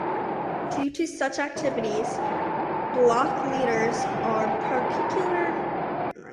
Due to such activities, "Blockleiters" were particularly disliked by the general population.